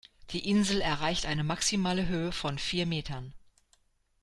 Die Insel erreicht eine maximale Höhe von vier Metern.